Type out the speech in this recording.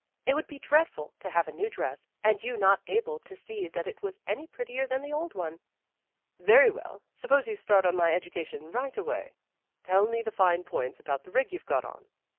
It would be dread ful to have a new dress and you not able to see that it was any prettier than the old one." "Very well. Suppose you start on my edu . cation right away. Tell me the fine points about the rig you've got on."